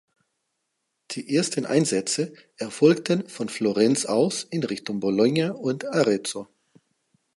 Die ersten Einsätze erfolgten von Florenz aus in Richtung Bologna und Arezzo.